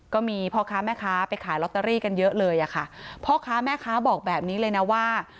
ก็มีพ่อค้าแม่ค้าไปขายลอตเตอรี่กันเยอะเลยอะค่ะพ่อค้าแม่ค้าบอกแบบนี้เลยนะว่า